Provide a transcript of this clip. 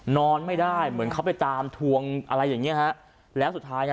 นอนไม่ได้เหมือนเขาไปตามทวงอะไรอย่างเงี้ฮะแล้วสุดท้ายน่ะ